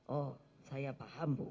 oh saya paham bu